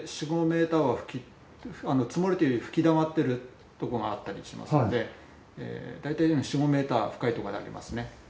積もるというより吹き溜まってるとこがあったりしますのでだいたい４５ｍ深いとこでありますね。